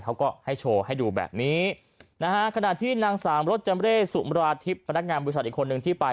เขาก็ให้โชว์ให้ดูแบบนี้นะฮะขณะที่นางสามรถจำเร่สุมราธิบพนักงานบริษัทอีกคนนึงที่ไป